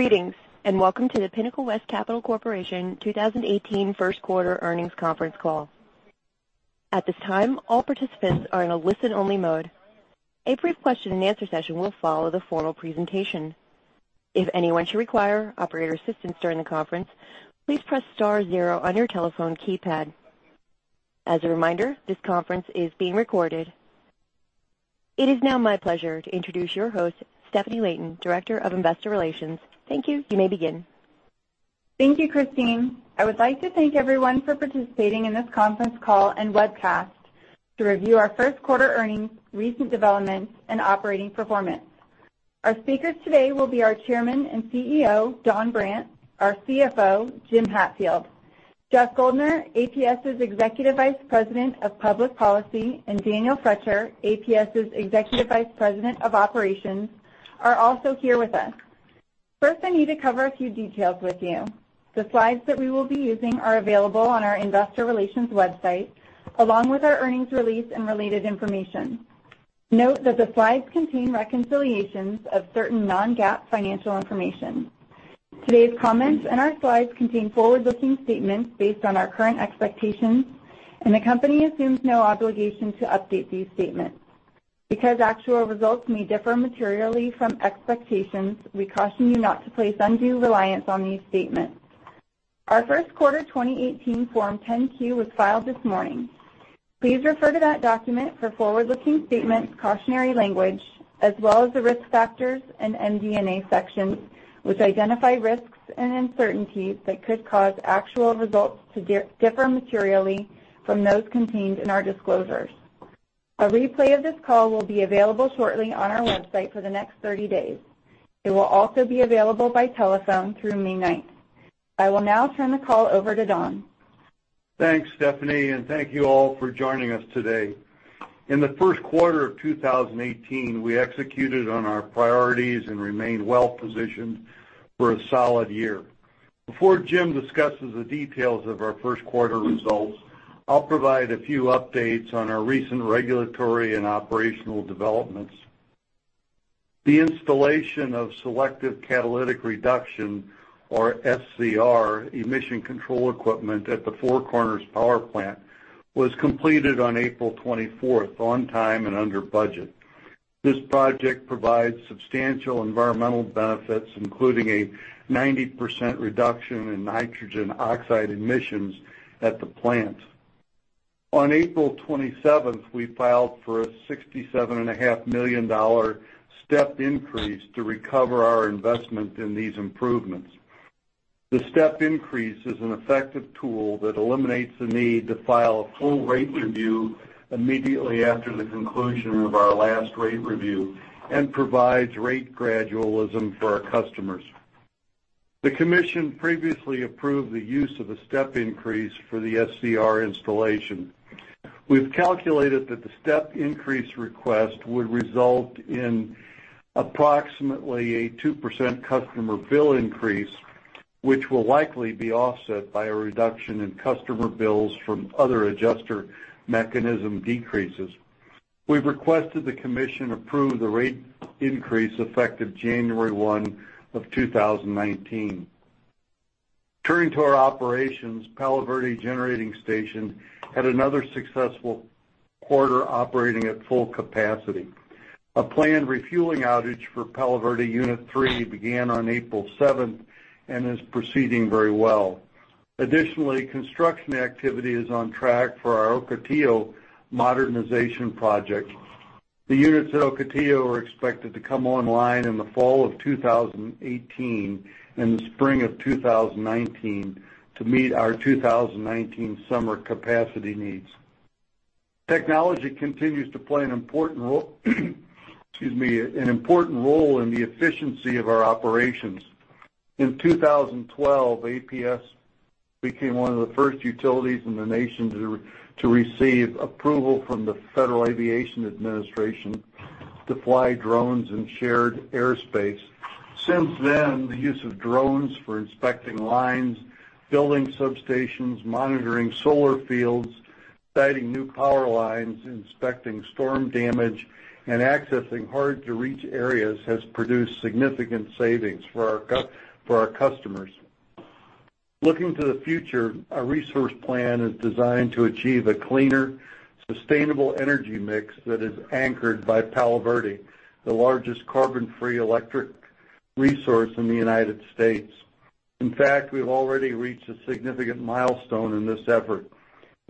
Greetings, welcome to the Pinnacle West Capital Corporation 2018 first quarter earnings conference call. At this time, all participants are in a listen-only mode. A brief question-and-answer session will follow the formal presentation. If anyone should require operator assistance during the conference, please press star zero on your telephone keypad. As a reminder, this conference is being recorded. It is now my pleasure to introduce your host, Stefanie Layton, Director of Investor Relations. Thank you. You may begin. Thank you, Christine. I would like to thank everyone for participating in this conference call and webcast to review our first quarter earnings, recent developments, and operating performance. Our speakers today will be our Chairman and CEO, Don Brandt, our CFO, Jim Hatfield. Jeff Guldner, APS's Executive Vice President of Public Policy, and Daniel Froetscher, APS's Executive Vice President of Operations, are also here with us. First, I need to cover a few details with you. The slides that we will be using are available on our investor relations website, along with our earnings release and related information. Note that the slides contain reconciliations of certain non-GAAP financial information. Today's comments and our slides contain forward-looking statements based on our current expectations. The company assumes no obligation to update these statements. Because actual results may differ materially from expectations, we caution you not to place undue reliance on these statements. Our first quarter 2018 Form 10-Q was filed this morning. Please refer to that document for forward-looking statements cautionary language, as well as the risk factors and MD&A section, which identify risks and uncertainties that could cause actual results to differ materially from those contained in our disclosures. A replay of this call will be available shortly on our website for the next 30 days. It will also be available by telephone through May 9th. I will now turn the call over to Don. Thanks, Stefanie. Thank you all for joining us today. In the first quarter of 2018, we executed on our priorities and remained well-positioned for a solid year. Before Jim discusses the details of our first quarter results, I'll provide a few updates on our recent regulatory and operational developments. The installation of selective catalytic reduction, or SCR, emission control equipment at the Four Corners Power Plant was completed on April 24th, on time and under budget. This project provides substantial environmental benefits, including a 90% reduction in nitrogen oxide emissions at the plant. On April 27th, we filed for a $67.5 million step increase to recover our investment in these improvements. The step increase is an effective tool that eliminates the need to file a full rate review immediately after the conclusion of our last rate review and provides rate gradualism for our customers. The commission previously approved the use of a step increase for the SCR installation. We've calculated that the step increase request would result in approximately a 2% customer bill increase, which will likely be offset by a reduction in customer bills from other adjuster mechanism decreases. We've requested the commission approve the rate increase effective January 1, 2019. Turning to our operations, Palo Verde Generating Station had another successful quarter operating at full capacity. A planned refueling outage for Palo Verde Unit 3 began on April 7th and is proceeding very well. Additionally, construction activity is on track for our Ocotillo modernization project. The units at Ocotillo are expected to come online in the fall of 2018 and the spring of 2019 to meet our 2019 summer capacity needs. Technology continues to play an important role in the efficiency of our operations. In 2012, APS became one of the first utilities in the nation to receive approval from the Federal Aviation Administration to fly drones in shared airspace. Since then, the use of drones for inspecting lines, building substations, monitoring solar fields, siting new power lines, inspecting storm damage, and accessing hard-to-reach areas has produced significant savings for our customers. Looking to the future, our resource plan is designed to achieve a cleaner, sustainable energy mix that is anchored by Palo Verde, the largest carbon-free electric resource in the United States. In fact, we've already reached a significant milestone in this effort.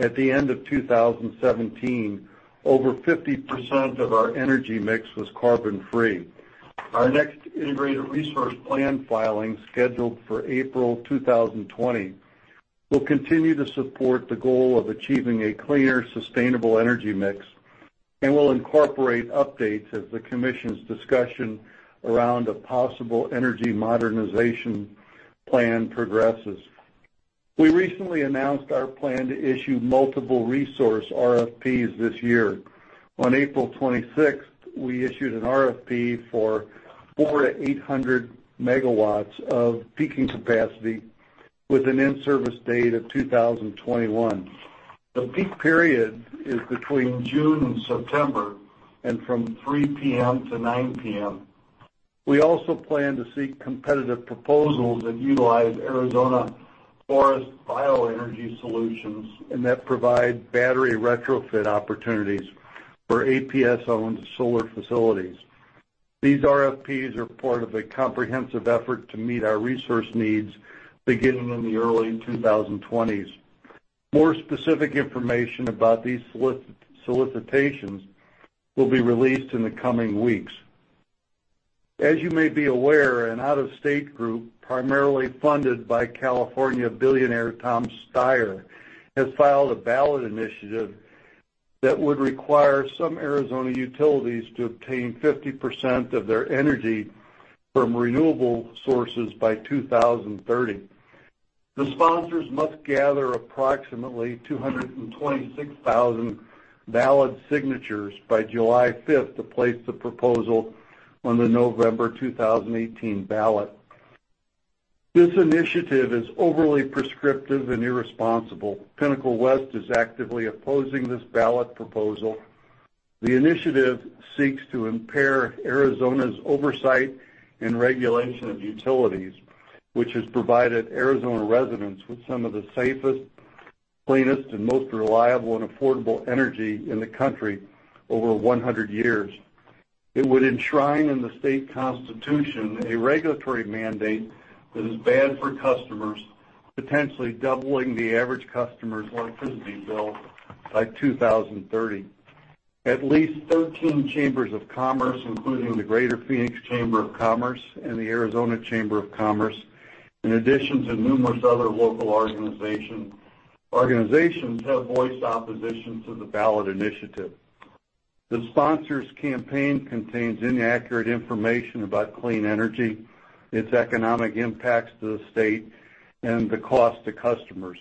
At the end of 2017, over 50% of our energy mix was carbon-free. Our next integrated resource plan filing, scheduled for April 2020, will continue to support the goal of achieving a cleaner, sustainable energy mix and will incorporate updates as the commission's discussion around a possible energy modernization plan progresses. We recently announced our plan to issue multiple resource RFPs this year. On April 26th, we issued an RFP for 4 megawatts-800 megawatts of peaking capacity with an in-service date of 2021. The peak period is between June and September, and from 3:00 P.M. to 9:00 P.M. We also plan to seek competitive proposals that utilize Arizona Forest Bioenergy solutions and that provide battery retrofit opportunities for APS-owned solar facilities. These RFPs are part of a comprehensive effort to meet our resource needs beginning in the early 2020s. More specific information about these solicitations will be released in the coming weeks. As you may be aware, an out-of-state group, primarily funded by California billionaire Tom Steyer, has filed a ballot initiative that would require some Arizona utilities to obtain 50% of their energy from renewable sources by 2030. The sponsors must gather approximately 226,000 ballot signatures by July 5th to place the proposal on the November 2018 ballot. This initiative is overly prescriptive and irresponsible. Pinnacle West is actively opposing this ballot proposal. The initiative seeks to impair Arizona's oversight and regulation of utilities, which has provided Arizona residents with some of the safest, cleanest, and most reliable and affordable energy in the country over 100 years. It would enshrine in the state constitution a regulatory mandate that is bad for customers, potentially doubling the average customer's electricity bill by 2030. At least 13 chambers of commerce, including the Greater Phoenix Chamber of Commerce and the Arizona Chamber of Commerce and Industry, in addition to numerous other local organizations, have voiced opposition to the ballot initiative. The sponsors' campaign contains inaccurate information about clean energy, its economic impacts to the state, and the cost to customers.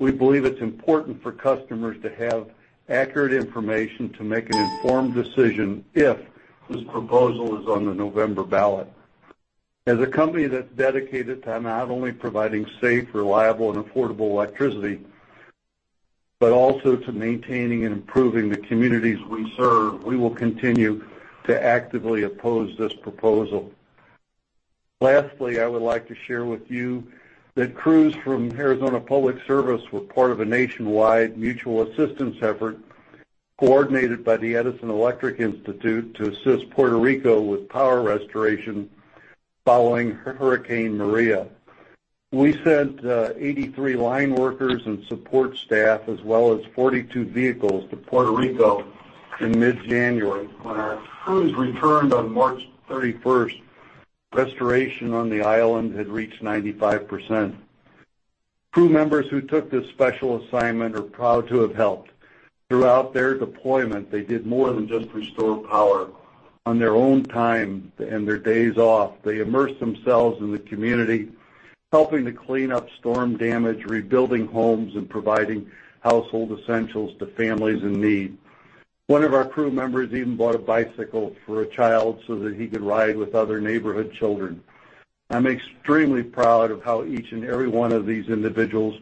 We believe it's important for customers to have accurate information to make an informed decision if this proposal is on the November ballot. As a company that's dedicated to not only providing safe, reliable, and affordable electricity, but also to maintaining and improving the communities we serve, we will continue to actively oppose this proposal. Lastly, I would like to share with you that crews from Arizona Public Service were part of a nationwide mutual assistance effort coordinated by the Edison Electric Institute to assist Puerto Rico with power restoration following Hurricane Maria. We sent 83 line workers and support staff, as well as 42 vehicles to Puerto Rico in mid-January. When our crews returned on March 31st, restoration on the island had reached 95%. Crew members who took this special assignment are proud to have helped. Throughout their deployment, they did more than just restore power. On their own time and their days off, they immersed themselves in the community, helping to clean up storm damage, rebuilding homes, and providing household essentials to families in need. One of our crew members even bought a bicycle for a child so that he could ride with other neighborhood children. I'm extremely proud of how each and every one of these individuals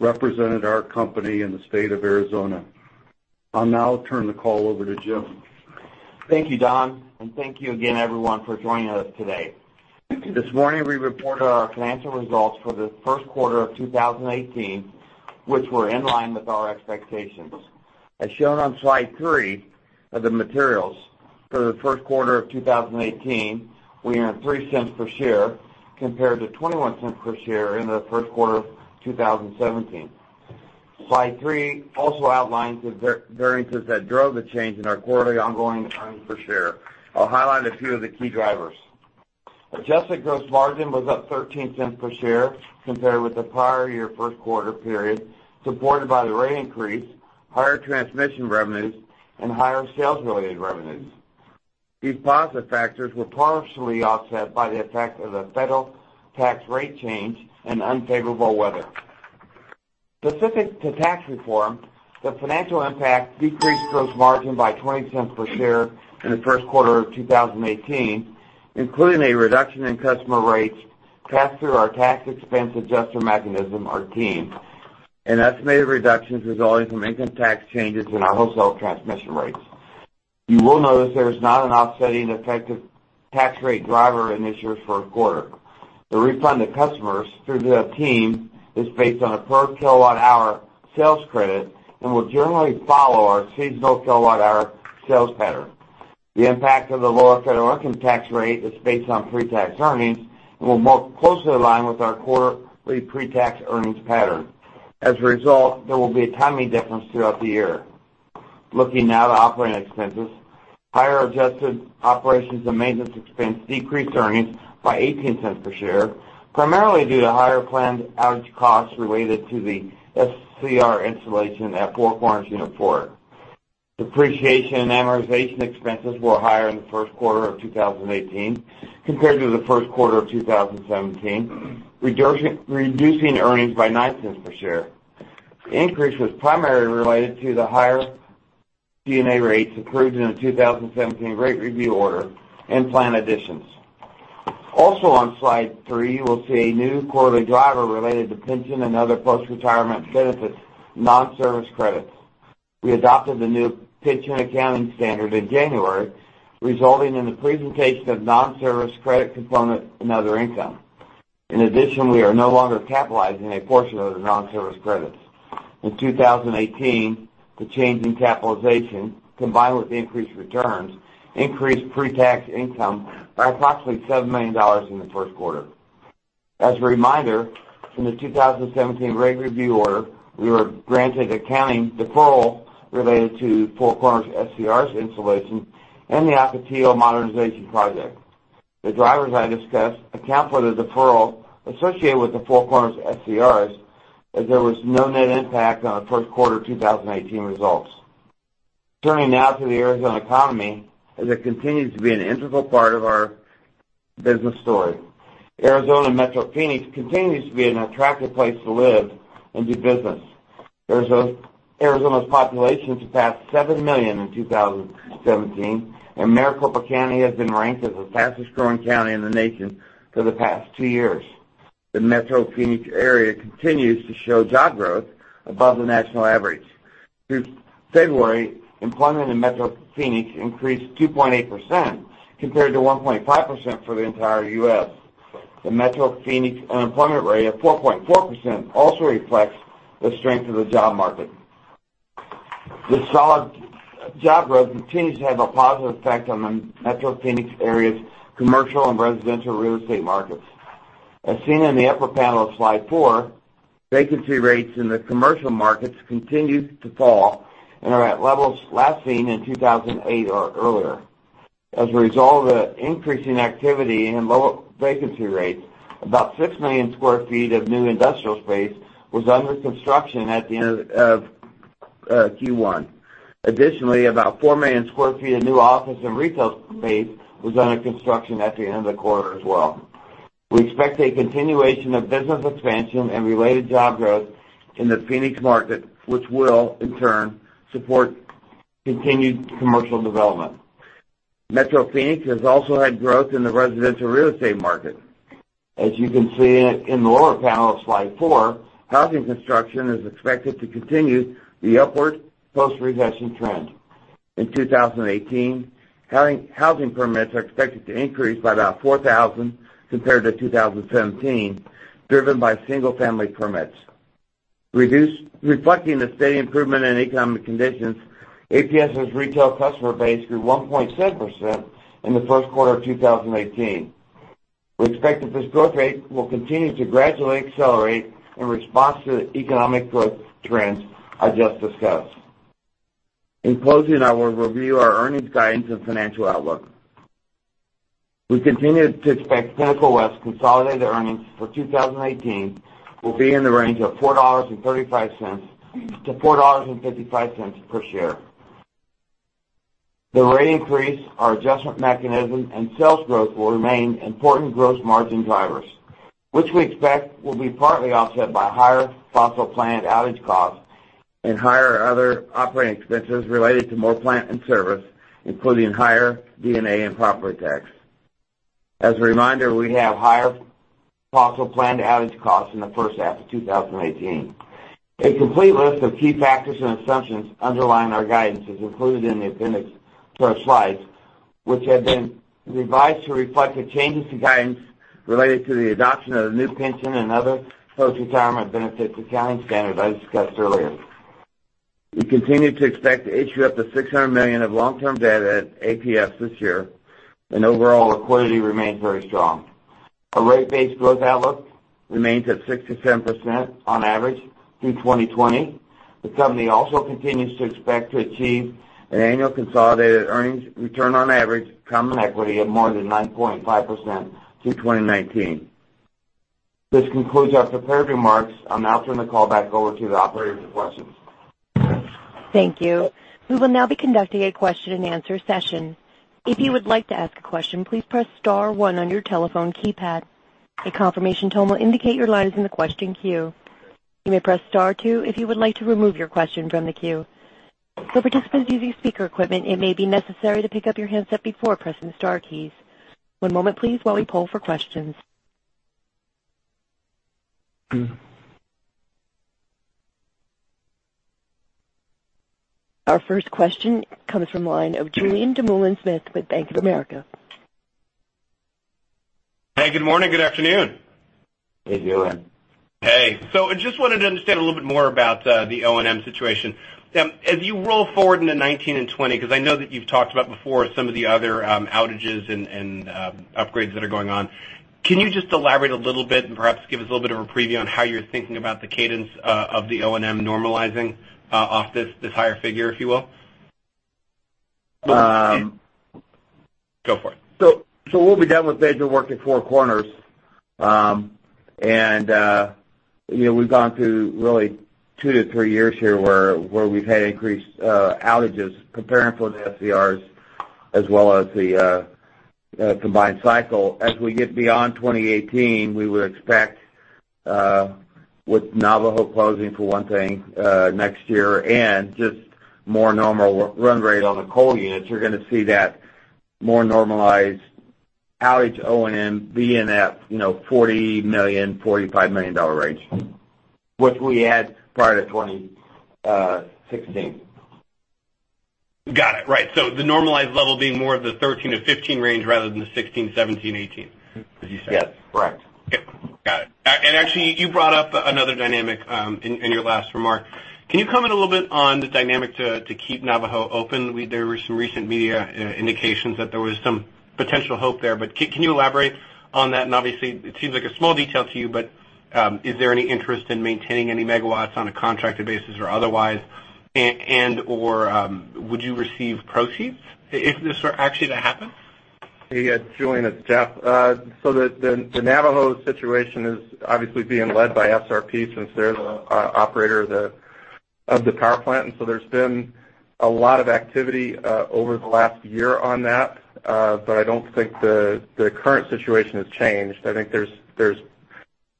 represented our company and the state of Arizona. I'll now turn the call over to Jim. Thank you, Don. Thank you again, everyone, for joining us today. This morning, we reported our financial results for the first quarter of 2018, which were in line with our expectations. As shown on slide three of the materials, for the first quarter of 2018, we earned $0.03 per share compared to $0.21 per share in the first quarter of 2017. Slide three also outlines the variances that drove the change in our quarterly ongoing earnings per share. I'll highlight a few of the key drivers. Adjusted gross margin was up $0.13 per share compared with the prior year first quarter period, supported by the rate increase, higher transmission revenues, and higher sales-related revenues. These positive factors were partially offset by the effect of the federal tax rate change and unfavorable weather. Specific to tax reform, the financial impact decreased gross margin by $0.20 per share in the first quarter of 2018, including a reduction in customer rates passed through our tax expense adjuster mechanism, our TEAM, an estimated reduction resulting from income tax changes in our wholesale transmission rates. You will notice there is not an offsetting effective tax rate driver in this year's first quarter. The refund to customers through the TEAM is based on a per kilowatt-hour sales credit and will generally follow our seasonal kilowatt-hour sales pattern. The impact of the lower federal income tax rate is based on pre-tax earnings and will more closely align with our quarterly pre-tax earnings pattern. As a result, there will be a timing difference throughout the year. Looking now to operating expenses, higher adjusted operations and maintenance expense decreased earnings by $0.18 per share, primarily due to higher planned outage costs related to the SCR installation at Four Corners Power Plant Unit 4. Depreciation and amortization expenses were higher in the first quarter of 2018 compared to the first quarter of 2017, reducing earnings by $0.09 per share. The increase was primarily related to the higher D&A rates approved in the 2017 rate review order and plan additions. Also on slide three, you will see a new quarterly driver related to pension and other post-retirement benefits, non-service credits. We adopted the new pension accounting standard in January, resulting in the presentation of non-service credit component and other income. In addition, we are no longer capitalizing a portion of the non-service credits. In 2018, the change in capitalization, combined with the increased returns, increased pre-tax income by approximately $7 million in the first quarter. As a reminder, in the 2017 rate review order, we were granted accounting deferral related to Four Corners Power Plant SCRs installation and the Apache County modernization project. The drivers I discussed account for the deferral associated with the Four Corners Power Plant SCRs, as there was no net impact on the first quarter 2018 results. Turning now to the Arizona economy, as it continues to be an integral part of our business story. Arizona and Metro Phoenix continues to be an attractive place to live and do business. Arizona's population surpassed 7 million in 2017, and Maricopa County has been ranked as the fastest-growing county in the nation for the past two years. The Metro Phoenix area continues to show job growth above the national average. Through February, employment in Metro Phoenix increased 2.8% compared to 1.5% for the entire U.S. The Metro Phoenix unemployment rate of 4.4% also reflects the strength of the job market. The solid job growth continues to have a positive effect on the Metro Phoenix area's commercial and residential real estate markets. As seen in the upper panel of slide four, vacancy rates in the commercial markets continue to fall and are at levels last seen in 2008 or earlier. As a result of the increase in activity and low vacancy rates, about 6 million square feet of new industrial space was under construction at the end of Q1. Additionally, about 4 million square feet of new office and retail space was under construction at the end of the quarter as well. We expect a continuation of business expansion and related job growth in the Phoenix market, which will, in turn, support continued commercial development. Metro Phoenix has also had growth in the residential real estate market. As you can see in the lower panel of slide four, housing construction is expected to continue the upward post-recession trend. In 2018, housing permits are expected to increase by about 4,000 compared to 2017, driven by single-family permits. Reflecting the steady improvement in economic conditions, APS's retail customer base grew 1.7% in the first quarter of 2018. We expect that this growth rate will continue to gradually accelerate in response to the economic growth trends I just discussed. In closing, I will review our earnings guidance and financial outlook. We continue to expect Pinnacle West consolidated earnings for 2018 will be in the range of $4.35 to $4.55 per share. The rate increase, our adjustment mechanism, and sales growth will remain important gross margin drivers, which we expect will be partly offset by higher fossil plant outage costs and higher other operating expenses related to more plant and service, including higher D&A and property tax. As a reminder, we have higher fossil plant outage costs in the first half of 2018. A complete list of key factors and assumptions underlying our guidance is included in the appendix to our slides, which have been revised to reflect the changes to guidance related to the adoption of the new pension and other post-retirement benefits accounting standard I discussed earlier. We continue to expect to issue up to $600 million of long-term debt at APS this year, and overall liquidity remains very strong. Our rate base growth outlook remains at 6%-7% on average through 2020. The company also continues to expect to achieve an annual consolidated earnings return on average common equity of more than 9.5% through 2019. This concludes our prepared remarks. I'll now turn the call back over to the operator for questions. Thank you. We will now be conducting a question-and-answer session. If you would like to ask a question, please press star one on your telephone keypad. A confirmation tone will indicate your line is in the question queue. You may press star two if you would like to remove your question from the queue. For participants using speaker equipment, it may be necessary to pick up your handset before pressing the star keys. One moment please, while we poll for questions. Our first question comes from the line of Julien Dumoulin-Smith with Bank of America. Hey, good morning, good afternoon. Hey, Julien. I just wanted to understand a little bit more about the O&M situation. As you roll forward into 2019 and 2020, because I know that you've talked about before some of the other outages and upgrades that are going on, can you just elaborate a little bit and perhaps give us a little bit of a preview on how you're thinking about the cadence of the O&M normalizing off this higher figure, if you will? Go for it. We'll be done with major work at Four Corners. We've gone through really two to three years here where we've had increased outages preparing for the SCRs as well as the combined cycle. As we get beyond 2018, we would expect With Navajo closing for one thing next year and just more normal run rate on the coal units, you're going to see that more normalized outage O&M be in that, $40 million, $45 million range, which we had prior to 2016. Got it. Right. The normalized level being more of the 13-15 range rather than the 16, 17, 18, as you said? Yes. Correct. Okay. Got it. Actually, you brought up another dynamic in your last remark. Can you comment a little bit on the dynamic to keep Navajo open? There were some recent media indications that there was some potential hope there, but can you elaborate on that? Obviously, it seems like a small detail to you, but is there any interest in maintaining any megawatts on a contracted basis or otherwise, and/or would you receive proceeds if this were actually to happen? Hey, Julien, it's Jeff. The Navajo situation is obviously being led by SRP since they're the operator of the power plant. There's been a lot of activity over the last year on that. I don't think the current situation has changed. I think there's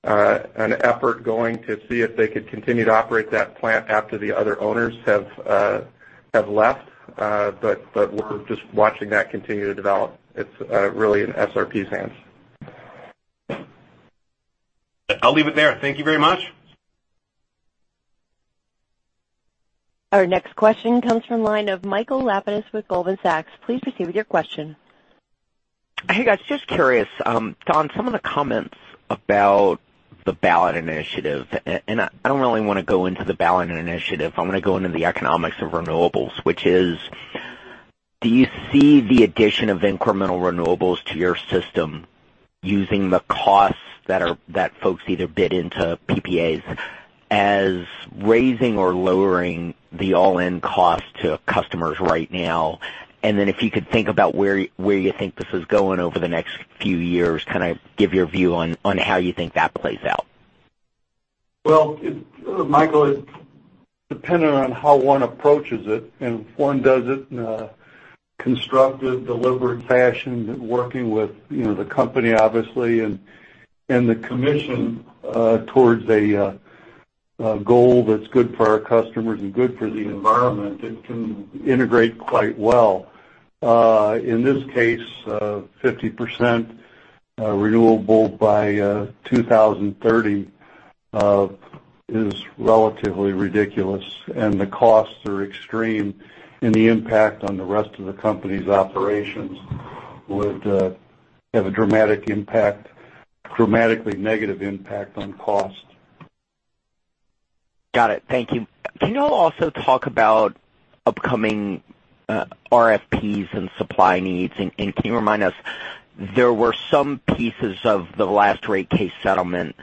an effort going to see if they could continue to operate that plant after the other owners have left. We're just watching that continue to develop. It's really in SRP's hands. I'll leave it there. Thank you very much. Our next question comes from the line of Michael Lapides with Goldman Sachs. Please proceed with your question. Hey, guys. Just curious, Don, some of the comments about the ballot initiative. I don't really want to go into the ballot initiative. I want to go into the economics of renewables, which is, do you see the addition of incremental renewables to your system using the costs that folks either bid into PPAs as raising or lowering the all-in cost to customers right now? Then if you could think about where you think this is going over the next few years, kind of give your view on how you think that plays out. Well, Michael, it's dependent on how one approaches it. If one does it in a constructive, deliberate fashion, working with the company obviously, the commission towards a goal that's good for our customers and good for the environment, it can integrate quite well. In this case, 50% renewable by 2030 is relatively ridiculous. The costs are extreme. The impact on the rest of the company's operations would have a dramatically negative impact on cost. Got it. Thank you. Can you all also talk about upcoming RFPs and supply needs? Can you remind us, there were some pieces of the last rate case settlement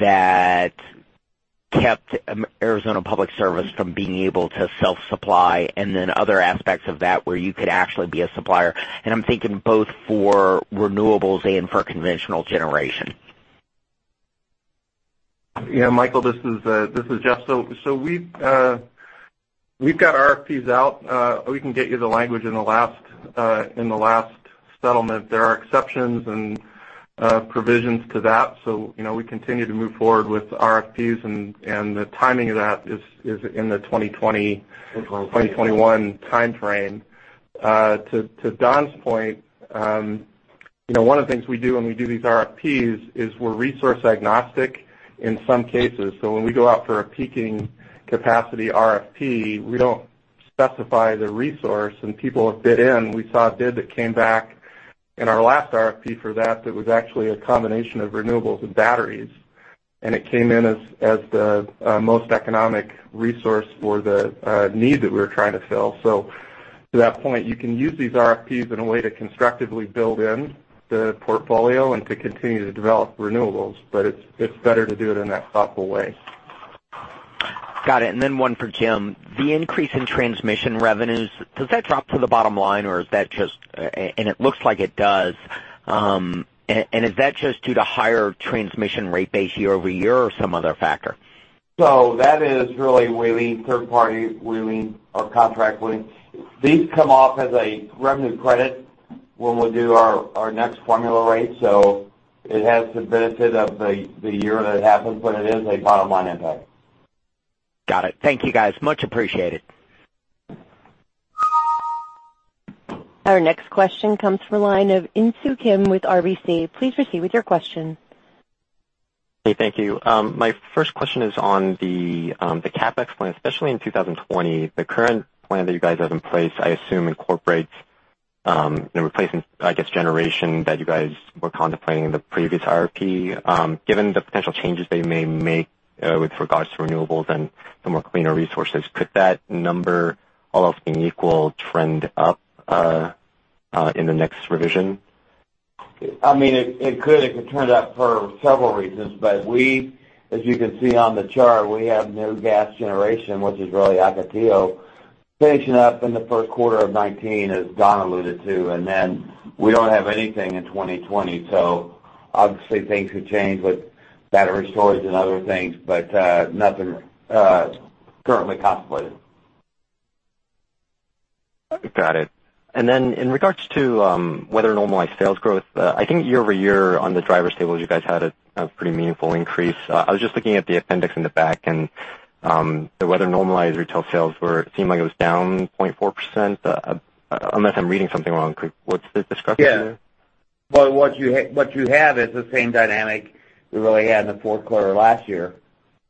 that kept Arizona Public Service from being able to self-supply, and then other aspects of that where you could actually be a supplier. I'm thinking both for renewables and for conventional generation. Yeah, Michael, this is Jeff. We've got RFPs out. We can get you the language in the last settlement. There are exceptions and provisions to that. We continue to move forward with RFPs. The timing of that is in the 2020- 2021 2021 timeframe. To Don's point, one of the things we do when we do these RFPs is we're resource agnostic in some cases. When we go out for a peaking capacity RFP, we don't specify the resource. People have bid in. We saw a bid that came back in our last RFP for that was actually a combination of renewables and batteries. It came in as the most economic resource for the need that we were trying to fill. To that point, you can use these RFPs in a way to constructively build in the portfolio and to continue to develop renewables, but it's better to do it in that thoughtful way. Got it. Then one for Jim. The increase in transmission revenues, does that drop to the bottom line? It looks like it does. Is that just due to higher transmission rate base year-over-year or some other factor? That is really wheeling, third party wheeling or contract wheeling. These come off as a revenue credit when we do our next formula rate. It has the benefit of the year that it happens, but it is a bottom-line impact. Got it. Thank you, guys. Much appreciated. Our next question comes from the line of Insoo Kim with RBC. Please proceed with your question. Hey, thank you. My first question is on the CapEx plan, especially in 2020. The current plan that you guys have in place, I assume, incorporates the replacement, I guess, generation that you guys were contemplating in the previous IRP. Given the potential changes that you may make with regards to renewables and the more cleaner resources, could that number, all else being equal, trend up in the next revision? I mean, it could. It could trend up for several reasons. We, as you can see on the chart, we have no gas generation, which is really Ocotillo, finishing up in the first quarter of 2019, as Don alluded to, and then we don't have anything in 2020. Obviously things could change with battery storage and other things, but nothing currently contemplated. Got it. Then in regards to weather-normalized sales growth, I think year-over-year on the drivers table, you guys had a pretty meaningful increase. I was just looking at the appendix in the back, and the weather-normalized retail sales seemed like it was down 0.4%, unless I'm reading something wrong. What's the discrepancy there? Well, what you have is the same dynamic we really had in the fourth quarter last year,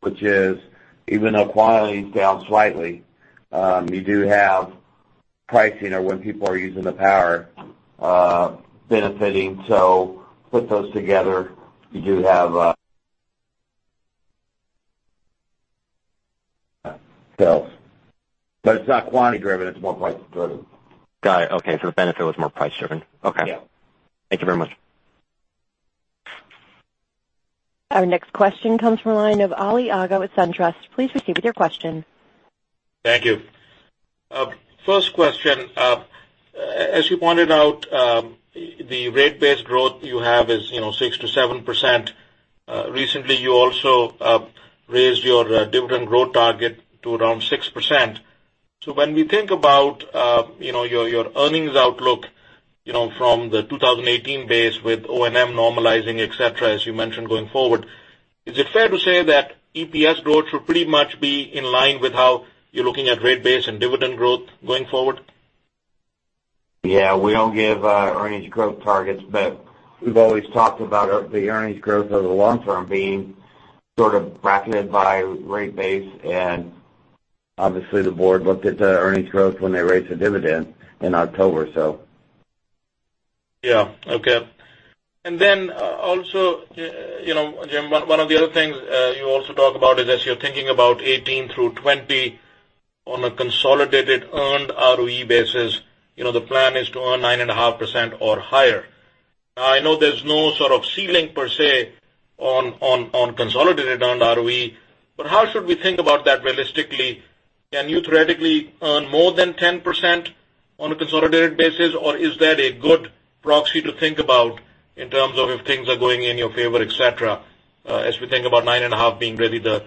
which is even though quantity is down slightly, you do have pricing or when people are using the power benefiting. Put those together, you do have sales. It's not quantity driven. It's more price driven. Got it. Okay. The benefit was more price driven? Okay. Yeah. Thank you very much. Our next question comes from the line of Ali Agha with SunTrust. Please proceed with your question. Thank you. First question. As you pointed out, the rate base growth you have is 6% to 7%. Recently, you also raised your dividend growth target to around 6%. When we think about your earnings outlook from the 2018 base with O&M normalizing, et cetera, as you mentioned going forward, is it fair to say that EPS growth should pretty much be in line with how you're looking at rate base and dividend growth going forward? Yeah. We don't give earnings growth targets, we've always talked about the earnings growth over the long term being bracketed by rate base, and obviously, the board looked at the earnings growth when they raised the dividend in October. Yeah. Okay. Also, Jim, one of the other things you also talk about is, as you're thinking about 2018 through 2020 on a consolidated earned ROE basis, the plan is to earn 9.5% or higher. I know there's no sort of ceiling per se on consolidated earned ROE, but how should we think about that realistically? Can you theoretically earn more than 10% on a consolidated basis, or is that a good proxy to think about in terms of if things are going in your favor, et cetera, as we think about 9.5% being really the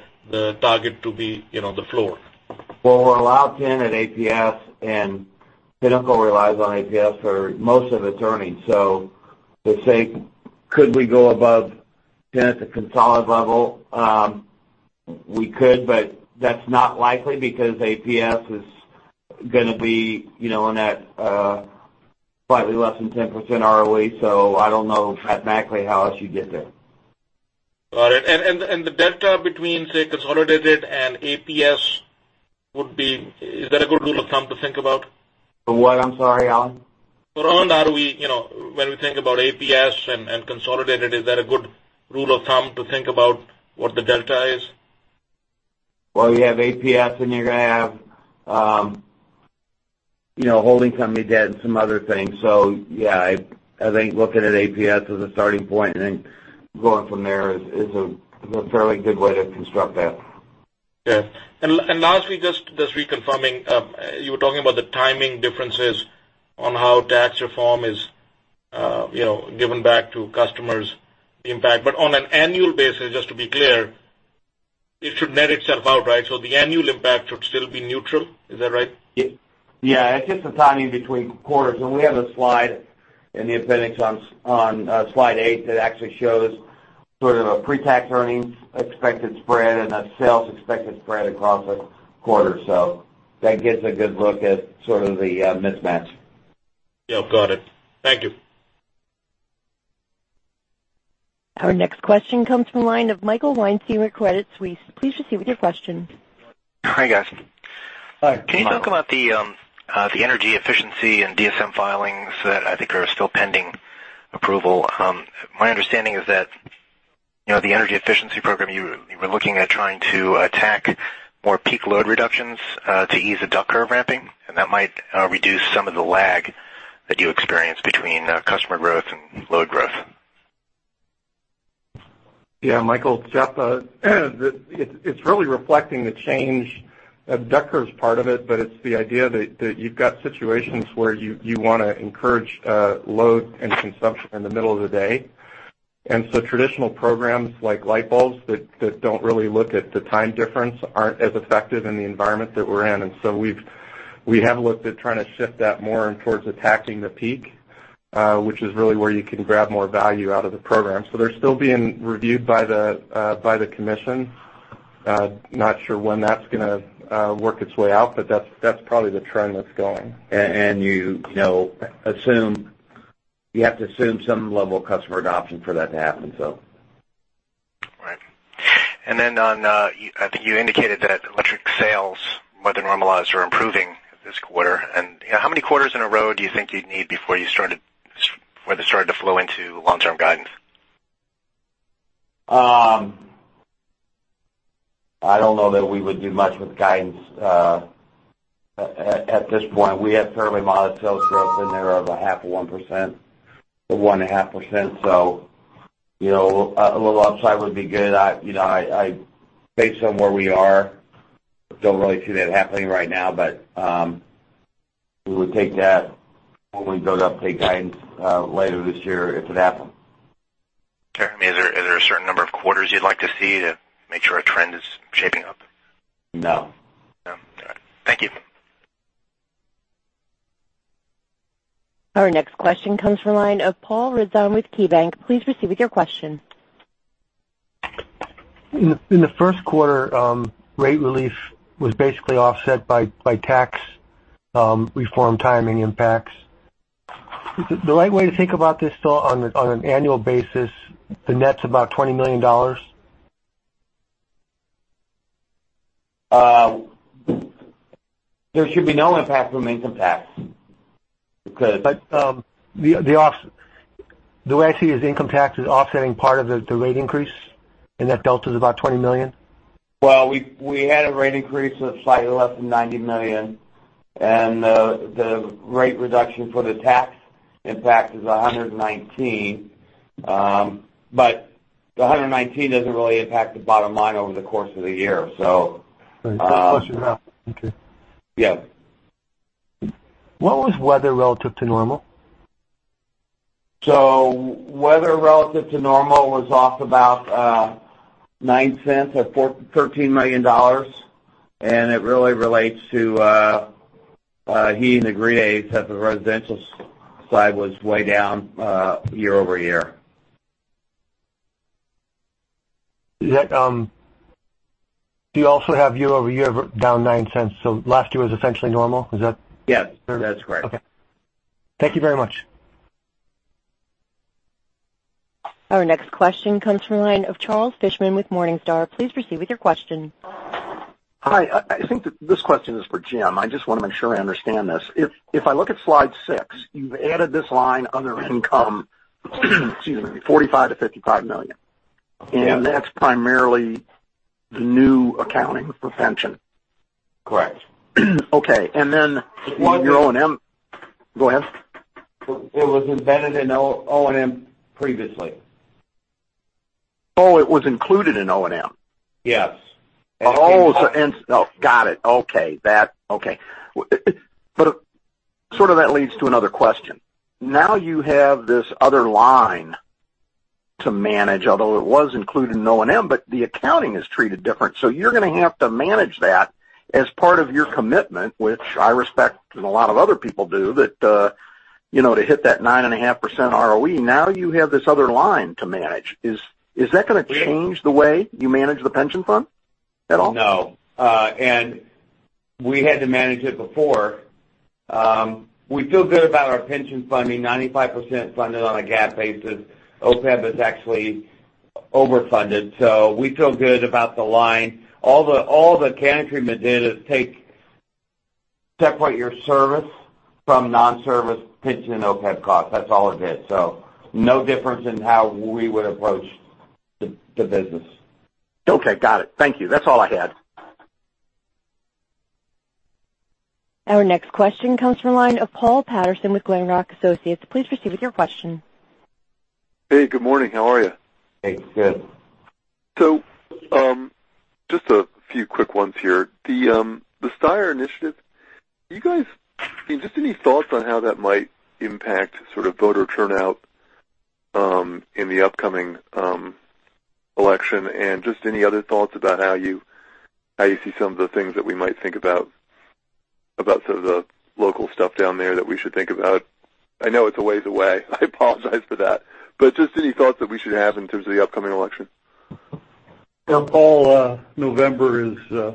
target to be the floor? Well, we're allowed 10% at APS, and Pinnacle relies on APS for most of its earnings. They say, could we go above 10% at the consolidated level? We could, but that's not likely because APS is going to be on that slightly less than 10% ROE. I don't know mathematically how else you'd get there. Got it. The delta between, say, consolidated and APS, is that a good rule of thumb to think about? For what? I'm sorry, Ali. For on ROE, when we think about APS and consolidated, is that a good rule of thumb to think about what the delta is? Well, you have APS, and you're going to have holding company debt and some other things. Yeah. I think looking at APS as a starting point and then going from there is a fairly good way to construct that. Yeah. Lastly, just reconfirming, you were talking about the timing differences on how tax reform is given back to customers impact. On an annual basis, just to be clear, it should net itself out, right? The annual impact should still be neutral. Is that right? Yeah. It's just the timing between quarters. We have the slide in the appendix on slide eight that actually shows sort of a pre-tax earnings expected spread and a sales expected spread across a quarter. That gives a good look at sort of the mismatch. Yeah. Got it. Thank you. Our next question comes from the line of Michael Weinstein with Credit Suisse. Please proceed with your question. Hi, guys. Hi, Michael. Can you talk about the energy efficiency and DSM filings that I think are still pending approval? My understanding is that the energy efficiency program, you were looking at trying to attack more peak load reductions to ease the duck curve ramping, and that might reduce some of the lag that you experience between customer growth and load growth. Yeah, Michael, Jeff. It's really reflecting the change. Duck curve's part of it, but it's the idea that you've got situations where you want to encourage load and consumption in the middle of the day. Traditional programs like light bulbs that don't really look at the time difference aren't as effective in the environment that we're in. We have looked at trying to shift that more towards attacking the peak, which is really where you can grab more value out of the program. They're still being reviewed by the commission. Not sure when that's going to work its way out, but that's probably the trend that's going. You have to assume some level of customer adoption for that to happen. Right. I think you indicated that electric sales, weather normalized, are improving this quarter. How many quarters in a row do you think you'd need before they start to flow into long-term guidance? I don't know that we would do much with guidance at this point. We have fairly modest sales growth in there of a half of 1%, to 1.5%, so a little upside would be good. Based on where we are, don't really see that happening right now. We would take that when we go to update guidance later this year if it happened. Is there a certain number of quarters you'd like to see to make sure a trend is shaping up? No. No. All right. Thank you. Our next question comes from the line of Paul Ridzon with KeyBank. Please proceed with your question. In the first quarter, rate relief was basically offset by tax reform timing impacts. Is the right way to think about this still on an annual basis, the net's about $20 million? There should be no impact from income tax because. The way I see it is income tax is offsetting part of the rate increase, and that delta is about $20 million. We had a rate increase of slightly less than $90 million, and the rate reduction for the tax impact is $119. The $119 doesn't really impact the bottom line over the course of the year. Right. That flushes out. Okay. Yeah. What was weather relative to normal? Weather relative to normal was off about $0.09 at $13 million. It really relates to heating degrees that the residential side was way down year-over-year. Do you also have year-over-year down $0.09, last year was essentially normal? Is that correct? Yes, that's correct. Okay. Thank you very much. Our next question comes from the line of Charles Fishman with Morningstar. Please proceed with your question. Hi. I think that this question is for Jim. I just want to make sure I understand this. If I look at slide six, you've added this line, other income, excuse me, $45 million-$55 million. Yeah. That's primarily the new accounting for pension? Correct. Okay. Well- Your O&M. Go ahead. It was embedded in O&M previously. Oh, it was included in O&M? Yes. Oh, got it. Okay. Sort of that leads to another question. Now you have this other line to manage, although it was included in O&M, but the accounting is treated different, so you're going to have to manage that as part of your commitment, which I respect and a lot of other people do, that to hit that 9.5% ROE, now you have this other line to manage. Is that going to change the way you manage the pension fund at all? No. We had to manage it before. We feel good about our pension funding, 95% funded on a GAAP basis. OPEB is actually overfunded, so we feel good about the line. All the accounting treatment did is separate your service from non-service pension and OPEB costs. That's all it did. No difference in how we would approach the business. Okay, got it. Thank you. That's all I had. Our next question comes from the line of Paul Patterson with Glenrock Associates. Please proceed with your question. Hey, good morning. How are you? Hey, good. Just a few quick ones here. The Steyer initiative, do you guys, just any thoughts on how that might impact voter turnout in the upcoming election? Just any other thoughts about how you see some of the things that we might think about some of the local stuff down there that we should think about? I know it's a ways away, I apologize for that, but just any thoughts that we should have in terms of the upcoming election? Yeah, Paul, November is,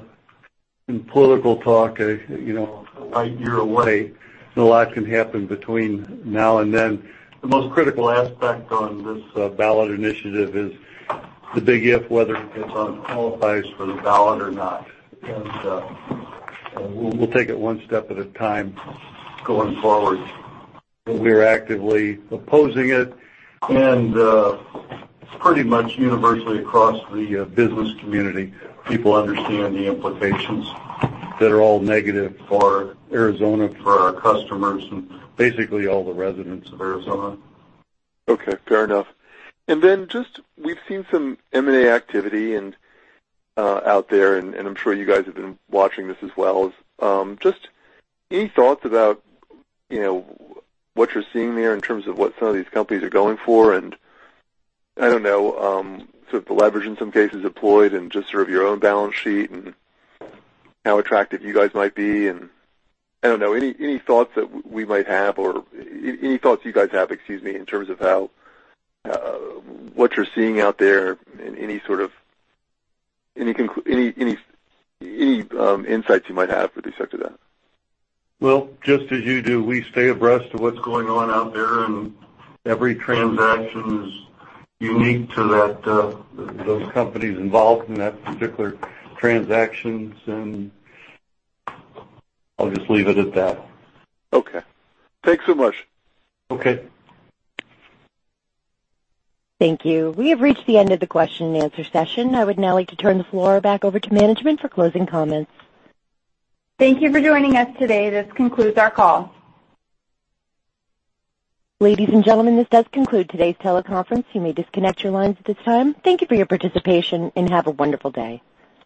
in political talk, a year away. A lot can happen between now and then. The most critical aspect on this ballot initiative is the big if, whether it qualifies for the ballot or not. We'll take it one step at a time going forward. We are actively opposing it and pretty much universally across the business community, people understand the implications that are all negative for Arizona, for our customers, and basically all the residents of Arizona. Okay, fair enough. Just we've seen some M&A activity out there, and I'm sure you guys have been watching this as well. Just any thoughts about what you're seeing there in terms of what some of these companies are going for, and, I don't know, the leverage in some cases employed and just sort of your own balance sheet and how attractive you guys might be, and, I don't know, any thoughts that we might have or any thoughts you guys have, excuse me, in terms of what you're seeing out there and any insights you might have with respect to that? Well, just as you do, we stay abreast of what's going on out there, and every transaction is unique to those companies involved in that particular transactions, and I'll just leave it at that. Okay. Thanks so much. Okay. Thank you. We have reached the end of the question and answer session. I would now like to turn the floor back over to management for closing comments. Thank you for joining us today. This concludes our call. Ladies and gentlemen, this does conclude today's teleconference. You may disconnect your lines at this time. Thank you for your participation, and have a wonderful day.